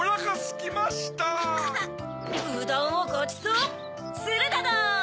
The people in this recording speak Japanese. うどんをごちそうするだどん！